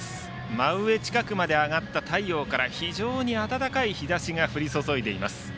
真上近くまで上がった太陽から非常に暖かい日ざしが降り注いでいます。